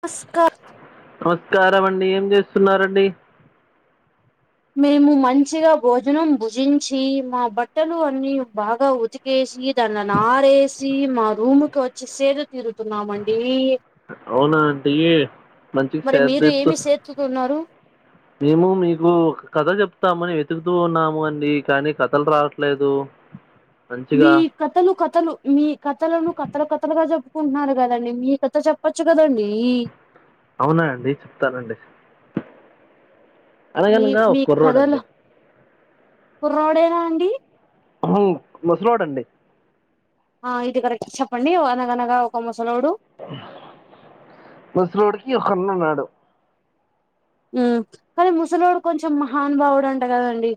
నస్క నమస్కారం అండి ఏం చేస్తున్నారండి మేము మంచిగా భోజనం భుజించి మా బట్టలు అన్ని బాగా ఉతికేసీ దన్న నారేసి మా రూమ్ కి వచ్చి సేదు తీరుతున్నామండీ అవునా అండీ మంచి మరి మీరు సెదెతు ఏమి సేతుతున్నారు మేము మీకు కథ చెప్తామని వెతుక్తూ ఉన్నామండి కానీ కథల్ రాట్లేదు ష్ మీ కథలు కథలు మీ కథలను కథల్ కథల్గా చెప్ కట్నారుగదండీ మీ కథ చెప్పచ్చు కదండీ అవునా అండి చెప్తానండి మీ అనగనగా మీ ఒక్ కుర్రోడ్ కథలు అండి కుర్రోడేనా అండి హ్మ్ ముసలోడ్ అండి ఆ ఇది కరెక్ట్ చెప్పండి ఒ అనగ అనగా ఒక ముసలోడు మసలోడికి ఒకన్న ఉన్నాడు మ్ కానీ ముసలోడు కొంచెం మహానుబావుడు అంట కదండి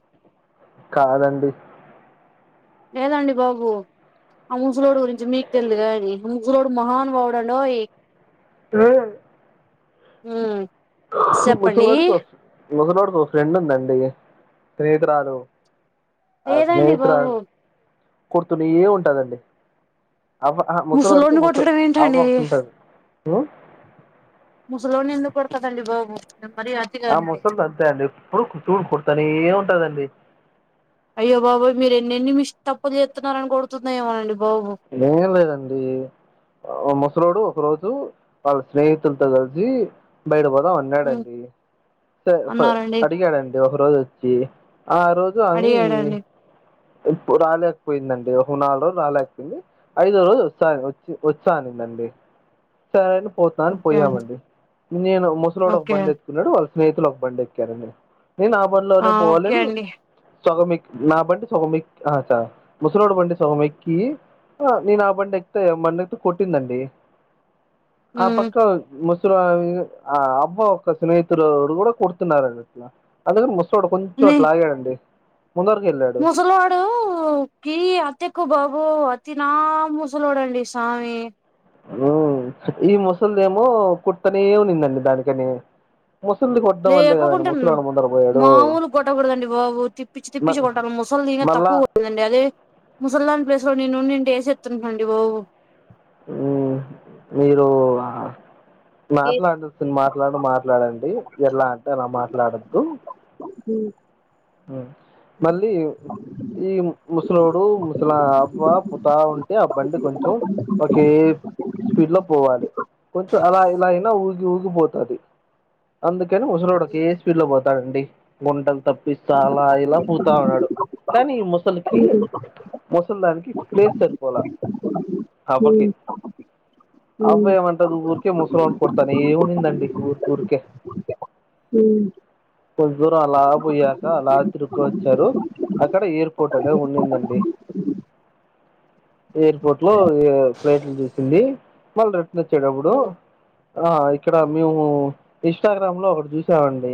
కాదండి లేదండి బాబు ఆ ముసలోడు గురించి మీకు తెలిదా అది ముసలోడు మహానుబావుడండోయ్ అవు మ్ ముసలోడిక్ ముసలోడిక్ ఒక ఫ్రెండ్ ఉందండి స్నేహితురాలు లేదండి బాబు కుర్తునే ఉంటదండి అవ ఆహా ముసలోడికి ముసలోడిని ముస కొట్టడం అవ్వ ఏంటండి ఒకటి ఉంటది ముసలోడిని ఎందుకు కొడతదండి బాబు మరీ అతిగా ఆ అంటే ముసల్ది అంతే అండి ఎప్పుడు కుటూ కుడతనే ఉంటదండి అయ్యో బాబోయ్ మీరు ఎన్నెన్ని మిష్ తప్పులు చేస్తున్నారని కొడుతుందేమో ఏమోనండి ఏం లేదండీ ఆ ముసలోడు ఒక రోజు వాళ్ళ స్నేహితుల్తొ కలిసి బయట వ ఉమ్ ఉన్నాడండి త ప అన్నారండి అడిగాడండి ఒక రోజు ఒచ్చీ ఆ రోజు అవీ అడిగాడండి ప రాలేకపోయిందండి ఒక నాల్ రోజు రాలేక్ ఐదో రోజు వసా వచ్చి వస్తా అనిందండి సరే అని పోతా అని ఓకే అండి పోయామండి నేను ముసలోడు ఒక ఓకే బండి ఎత్తుకున్నాడు వాళ్ళ స్నేహితులు ఒక బండి ఎక్కారండి నేను నా ఆ బండ్లోనే ఓకే పోవాలని అండి సొగమిక్ నా బండి సొగమిక్ అ చా ముసలోడు బండి సగమేక్కి ఆ నేను ఆ బండి ఎక్తే మన్నెతే కొట్టిందండి ఆ ఉమ్ పక్క ముస్ సుల్ అ అ అవ్వ ఒక స్నేహితులో ఎవరో కూడా కొడుతున్నారండి ఇట్లా అందుకని ముస్ లోడు కొంచెం అటు లాగడండి ముసలాడు కి అతెక్కు బా ఓ అతి నా ముూసలోడండి సామి మ్ ఈ ముసల్దేమో కోడ్తానే ఉనిందండి దానికని ముసలిని కొట్టడం వల్లే కదండి లేపోకుంటాన్నమ్మ్ ముసలోడు ముందర పోయాడు మాములు కొట్టకూదండి బాబు తిప్పించి మ తిప్పించి కొట్టాలి ముసల్ది దిని మళ్ళా తక్కువది కదండి అది ముసల్దని ప్లేసులో నేనుడింటె వేసేతుంటండి బాబు మ్ మీరు మాట్లాడడుతు మాట్లాడుడు మాట్లాడండి ఇట్ల అంటన మాట్లాడొద్దు మ్ మ్ మళ్ళీ ఈ ముసలోడు ముసలా అవ్వ పుతా ఉంటే అ బండి కొంచెం ఒకే స్పీడ్ లో పోవాలి కొంచెం అలా ఇలా అయినా ఊ ఊగిపోతంది అందుకని ముసలోడ్కి స్పీడ్ లో పోతండి గుంటల్ తప్ పిస్తా అలా ఇలా పూతా ఉన్నాడు కానీ ఈ ముసలికి ముసల్ దానికి ప్లేస్ సరిపోలే మ్ అవ్వ ఏమంటది ఊరికే ముసలోన్ని కొడుతానే ఉనిందండి ఊరికుర్కే మ్ కొంత దూరం అల పొయ్యారు అలా తిరుకు వచ్చారు అక్కడ ఎయిర్పోర్ట్ అనే ఉండిందండి ఎయిర్పోర్ట్ లో ఫ్లైట్లు చూసింది మళ్ళ రి టన్ ఓచ్చేటప్పుడు ఆ ఇక్కడ మేము ఇన్స్టాగ్రామ్ లో ఒకటి చూసామండి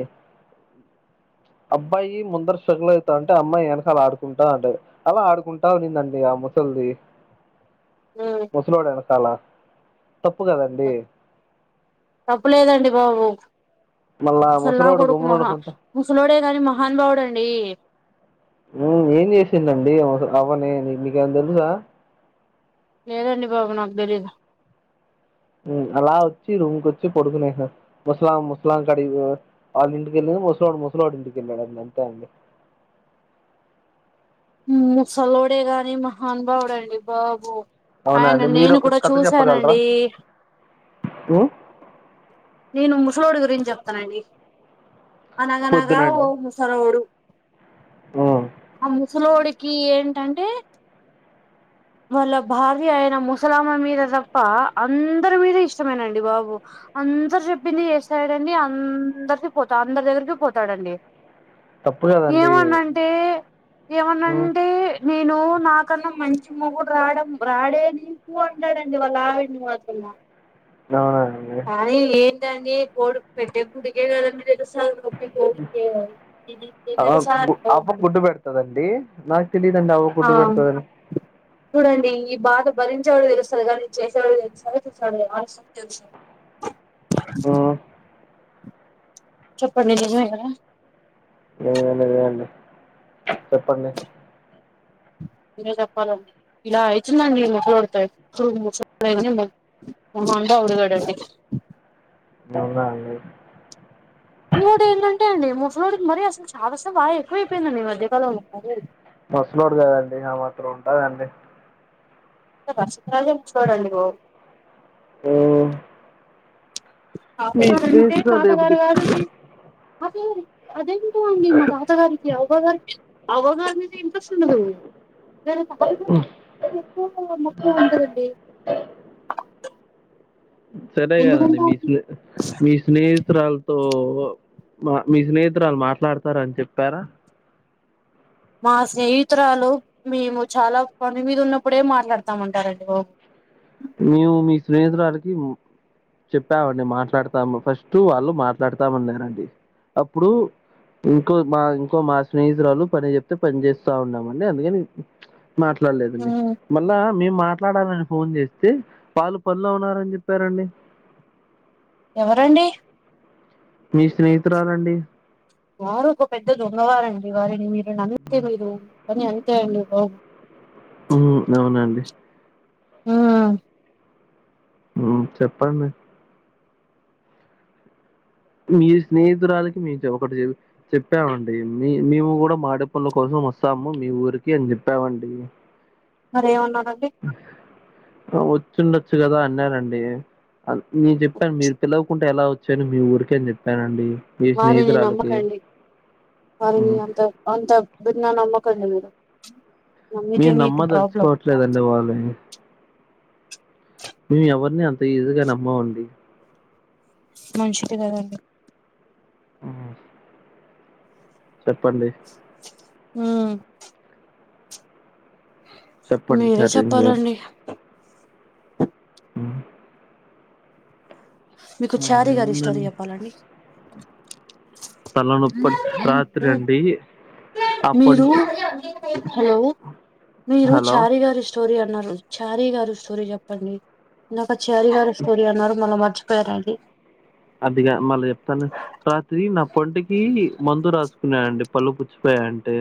అబ్బాయి ముందర స్రగులైతంటే అమ్మాయి వెనకాలలా ఆడుకుంటా ఉంటది అలా ఆడుకుంటా ఉనిందండి ఆ ముసల్ ల్దీ ముసలోడేనకాలా తప్పులేదండి బాబు మళ్ళా ముసల్ నా ముసలోడు కొడుకు గమ్మున మహా ఉండకుంటా ముసలోడే గాని మహాన్బావుడండి మ్ ఏం చేసిందండి అవని నికేమన్న తెలుసా లేదండి బాబా నాకు తెలియదు మ్ అలా వచ్చి రూమ్కి వచ్చి పడుకునేయి ముస్లాం ముస్లామే కడికి పో వాళ్ళింటికెళ్ళి ముసలోడు ముసలోడింటికేళ్లడండి అంతే అండి ముసలోడే గాని మహాను బావుడండి బాబు అవునా ఆయన అండి మీరు నేను ఒక కూడా కథ చెప్పగలరా చూసానండి ఉమ్, నేను ముసలోడి గురించి చెప్తానండి అనగనాగా ఓ ముసలోడు ఆ సలోడికి ఏంటంటే అ వాళ్ళ భార్య ఆయన ముసలామే మీద తప్ప అందరి మీద ఇష్టమేనండి బాబు అన్ దరు చెప్పింది చేస్తడండి అందరికి పోతా అందరి దగ్గరికి పోతాడండి తప్పు కదండి ఏమనంటే ఉమ్ ఏమనంటే నే నేను నాకన్నా మంచి మొగుడు రాడం రాడే నీకు అంటాడండి వాళ్ళ ఆవిడ్ని అస్సల న అవునా అండి ఎంటండి కోడి పెట్టే గుడ్డుకె కదండి తెలుస్తది నొప్పి టి కోడికే ఇది ఆ తెలుసా గు అవ్వ గుడ్డు పెడతదండి నాకు తెలీదండి అ ఆ చూడండి ఈ బా అది భరించేవాళ్ళకి తెలుస్తది కానీ చేసేవాళ్ళు తెలుస్తదండి ఆలోం తెలుస్త ఉమ్ చెప్పండి నిజమే కద ఏం లేదు అండి చెప్పండి మీరే చెప్పాలండి ఇలా అయితుదండి ముస్లోడుతో ఎక్కువ ముస లేదు నిన్న ఎంతో అందగాడండి అవునా అండి ఇంకోటి ఏంటంటే అండి ముసలోడికి మరి అసలు చాదస్తం బాగా ఎక్కువ వైపోయిందండి ఈ మధ్యకాలం మరిని ముస్లోడు కదండి ఆ మాత్రం ఉంటాదండి తగ చిత్రంగా ర్చోడండివో ఓ తాతగారంటే తాతగారు ఏమిటి గారు కాదండి అదేంది అదేంటో అండి మా తాతగారి అవ్వ గారికి అవ్వగానిది ఇంట్రెస్ట్ ఉండదు దాని తాత ద ఎక్కువ మక్కువ ఉంటదండి సరే కదండి ఎందుకంటే మీ అండి స్నే మీ స్నేహితురాలతో ఓ మా మీ స్నేహితురాలు మాట్లాడతార అని చెప్పారా మా స్నేహితురాలు మేము చాలా పని మీద ఉన్నప్పుడే మాట్లాడుతామంటారండి బాబు మేము మీ స్నేహితురాలికి చెప్పామండి మాట్లాడతాము ఫస్ట్ వాళ్ళు మాట్లాడతామన్నారండి అప్పుడు ఇంకో మా ఇంకో మా స్నేహితురాలు పని చెప్తే పని చేస్తా ఉన్నామండి అందుకని మాట్లాడలేదండి మళ్ళా మేము మాట్లాడాలని ఫోన్ చేసి తే వాళ్ళు పన్లో ఉన్నారని చెప్పారండి ఎవరండి మీ స్నేహితురాలండి వారు ఒక పెద్ద దొంగవారండి వారిని మీరు నమ్మిత్తే మీరు పని అంతే అండి బాబు మ్ అవునండి ఆ మ్ చెప్పండి మీ స్నేహితురాలకి మేము ఒకటి చె చెప్పామండి మీ మేము కూడా మాడ పనుల కోసం మొస్తాము మీ ఊరికి అని చెప్పామండి మరి అన్న వచ్చుండొచ్చు కదా అన్నారండి నేను చెప్పాను మీరు పిల్లవకుంటే ఎలా వచ్చెను మీ ఊరికని చెప్పానండి మీ వారిని స్నేహితురాలకి నమ్మకండి వారిని అంత అంత భిన్న నమ్మక కండి మీరు నమ్మితే నేను మీకు ప్రాబ్లం నమ్మదలుచుకోవట్లేదండి వాళ్ళని మేము ఎవరిని అంత ఈజీగా నమ్మమండి మనుషులు గదండి ఆహా ఒస్ చెప్పండి ఊ చెప్పండి మీరే చార్జంగ్ చెప్పాలండి ఊ మీకు చారీ గారి స్టోరీ అదేముందండి చెప్పాలండి. తలనొప్పం రాత్రి అండీ మీరూ హలో మీరూ హలో చారి గారి స్టొ స్టోరీ అన్నారు. చారీ గారు స్టోరీ చెప్పండి. ఇందాక చారీ గారు స్టోరీ అన్నారు మళ్ళ మర్చి ప్తారా అండి అదిగా మళ్ళీ చెప్తాను. రాత్రి నా పంటికీ మందు రాసుకున్నా అండి పళ్ళు పుచ్చిపోయ యి అంటే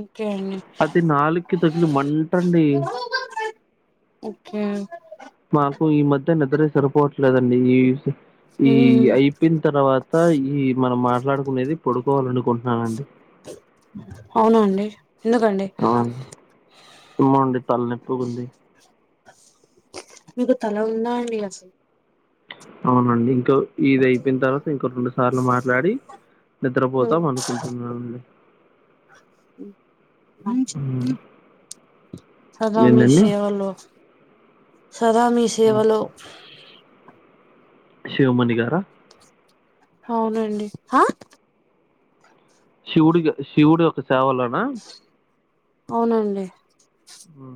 ఓకే అండి అది నాలుక్కి తగిలి మంటా అండి. ఒకే మాకు ఈ మధ్య నిద్ర సరిపోవట్లేదండి ఈ ఈ ఉమ్ అయిపోయిన్ తర్వాతా ఈ మనం మాట్లాడుకునేది పడుకోవాలనుకుంటున్నానండి. అవు అవునా అండ్ అవును ఏమో అండి తల్లనొప్పిగుంది. మీకు తల ఉందా అండి అసల్ అవునండి ఇంకో ఇది అయిపోయిన్ తర్వాత ఇంకో రెండు సార్లు మాట్లాడీ ఉమ్, నిద్రపోతాం అనుకుంటున్నానండి. సదా మీ ఏంటండి శేవలో. సదా మీ సేవలో. శివమణి గారా అవునండి హా శివుడిగ శివుడి ఒక సేవలోనా. అవునండి ఊ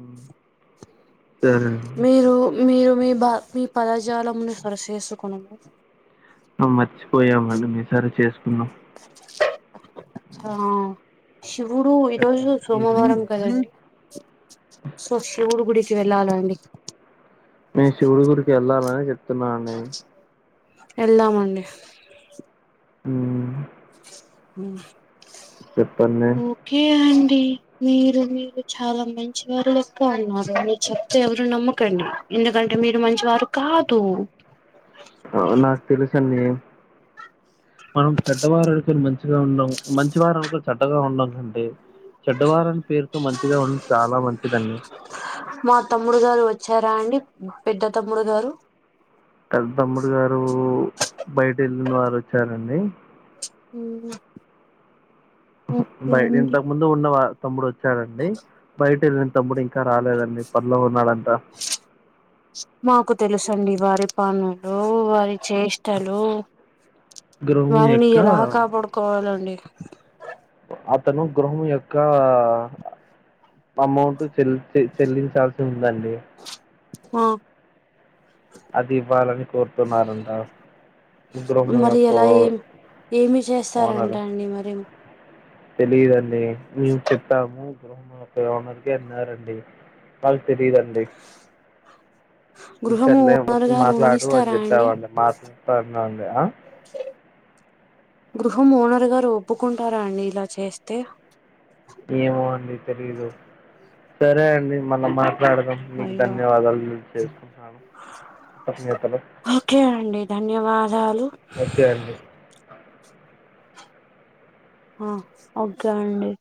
మీరు మీరు మీ బా మీ పదజాలమును సరిచేసుకొనుము ఆ మర్చిపోయామండి మీ సరి చేసుకున్నం. ఆ శివుడూ ఈరోజు చెప్పండి మీరు సోమవారం కదండి. సో శివుడు గుడికి వెళ్ళాల అండి. నేన్ శివుడుగుడికి ఎళ్ళాలనే చెప్తున్నా అండి ఎళ్దామండి ఊ ఉ ఓకే అం డీ మీరు మీరు చాలా మంచి వారు లెక్కా ఉన్నారు అని చెప్తే ఎవరు నమ్మకండి. ఎందుకంటే మీరు మంచి వారు కాదూ ఓ నాక్ తెలుసండీ మనం చెడ్డవారను కొని మంచిగా ఉండం మంచివారనుకొని చెడ్డగా ఉండం కంటే. చెడ్డవారని పేరుతో మంచిగా ఉం చాలా మంచిదండి. మా తమ్ముడు గారు వచ్చారా అండి పెద్ద తమ్ముడు గారు. పెద్ద తమ్ముడు గారూ బయట ఎళ్ళిన వారు వచ్చారండి. ఊ [unintelligible] ఇంతకు ముందు ఉన్న తమ్ముడు వచ్చాడండి బయట వెళ్ళిన తమ్ముడు ఇం ఇంకా రాలేదండి [unintelligible] ఉన్నాడంట అండి వారి పనులు [unintelligible] చేష్టలు గృహం వారిని ఎల యొక్క కాపాడుకోవాలండి అతను గృహం యొక్క అమౌంట్ చెల్లి చెల్లించాల్సి ఉందండి ఆ అది ఇవ్వాలని కోరుతున్నారంట ముగ్రం మరి యొక్క ఎలా ఏం ఏమి చేస్తారంట [unintelligible] అండి మరి తెలిదండి మేము చెప్పాము [unintelligible] అన్నారండి [unintelligible] తెలియదండి గృహము ఓనర్ [unintelligible] గారు ఉన్నిస్తారా అండి మాట్లాతన్నాండి గృహం ఓనరు గారు ఒప్పుకుంటార అండి ఇలా చేస్తే తెలిదు సరే అండి మ [unintelligible] [unintelligible] మీకు అయ్యో ధన్యవాదాలు [unintelligible] చేసుకుంటన్నాను కృతఙ్ఞతలు ఓకే అండి ధన్యవాదాలు ఒకే అండి ఆ ఓకే అండి